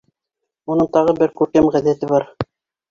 Уның тағы бер күркәм ғәҙәте бар.